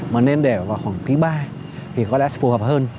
mà nên để vào khoảng quý ba thì có lẽ phù hợp hơn